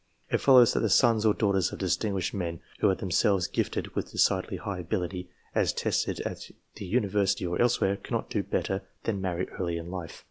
It follows that the sons or daughters of distinguished men who are themselves gifted with decidedly high ability, as tested at the University or elsewhere, cannot do better than marry early in life.